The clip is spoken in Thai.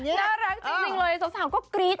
น่ารักจริงเลยสาวก็กรี๊ด